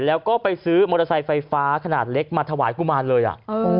แล้วก็ไปซื้อมอเตอร์ไซค์ไฟฟ้าขนาดเล็กมาถวายกุมารเลยอ่ะ